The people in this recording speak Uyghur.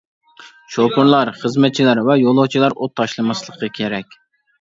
شوپۇرلار، خىزمەتچىلەر ۋە يولۇچىلار ئوت تاشلىماسلىقى كېرەك.